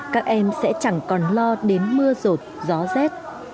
các em sẽ chẳng còn lo đến mưa rột gió rét